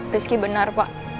rizky benar pak